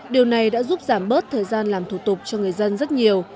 điều này đã giúp giảm bớt thời gian làm thủ tục cho người dân rất nhiều